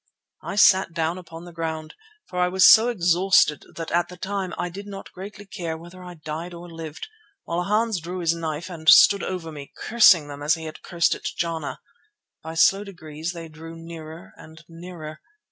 I sat down upon the ground, for I was so exhausted that at the time I did not greatly care whether I died or lived, while Hans drew his knife and stood over me, cursing them as he had cursed at Jana. By slow degrees they drew nearer and nearer.